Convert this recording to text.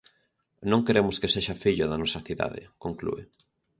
"Non queremos que sexa fillo da nosa cidade", conclúe.